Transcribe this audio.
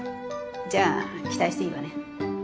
じゃあ期待していいわね。